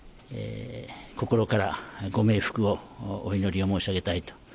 心からご冥福をお祈りを申し上げたいと。